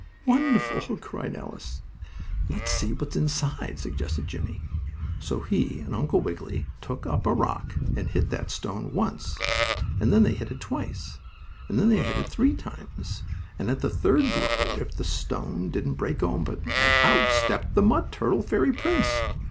"Wonderful!" cried Alice. "Let's see what's inside," suggested Jimmie. So he and Uncle Wiggily took up a rock, and hit that stone once, and they hit it twice, and they hit it three times, and, at the third blow, if that stone didn't break open, and out stepped the mud turtle fairy prince!